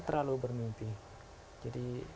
terlalu bermimpi jadi